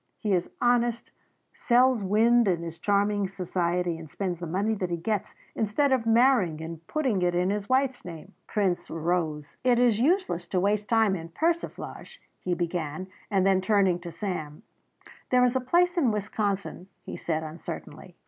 He is honest, sells wind and his charming society, and spends the money that he gets, instead of marrying and putting it in his wife's name." Prince arose. "It is useless to waste time in persiflage," he began and then turning to Sam, "There is a place in Wisconsin," he said uncertainly.